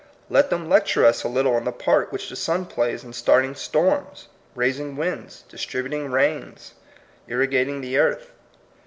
Let them lecture us a little on the part which the sun plays in start ing storms, raising winds, distributing rains, irrigating the earth.